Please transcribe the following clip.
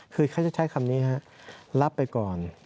คือแค่จะใช้คำนี้ครับรับไปก่อน